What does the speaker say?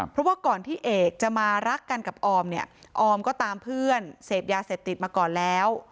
เพราะว่าก่อนที่เอกจะมารักกันกับออมเนี่ยออมก็ตามเพื่อนเสพยาเสพติดมาก่อนแล้ว